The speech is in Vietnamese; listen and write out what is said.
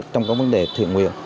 trong vấn đề thuyền nguyện